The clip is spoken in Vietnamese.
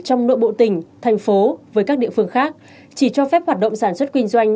trong nội bộ tỉnh thành phố với các địa phương khác chỉ cho phép hoạt động sản xuất kinh doanh